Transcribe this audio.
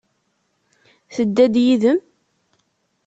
Tedda-d yid-m?